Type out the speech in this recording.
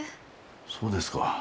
そうですか。